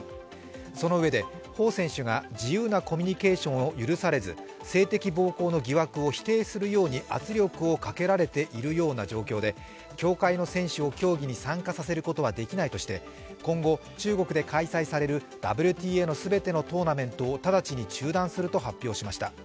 そのうえで彭選手が自由なコミュニケーションを許されず性的暴行の疑惑を否定するように圧力をかけられているような状況で協会の選手を競技に参加させることはできないとして今後、中国で開催されるＷＴＡの全てのトーナメントを直ちに中断すると発表しました。